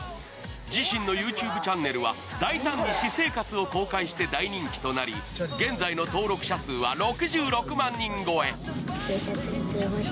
自身のＹｏｕＴｕｂｅチャンネルは大胆に私生活を公表して大人気となり現在の登録者数は６６万人超え。